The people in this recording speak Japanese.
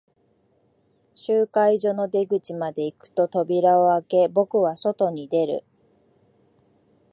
集会所の出口まで行くと、扉を開け、僕は外に出る。